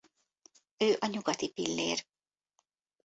Ő a nyugati pillér.